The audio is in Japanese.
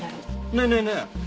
ねえねえねえ